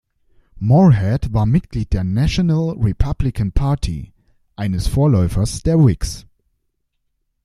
Morehead war Mitglied der National Republican Party, eines Vorläufers der Whigs.